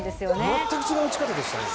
全く違う打ち方でしたよね。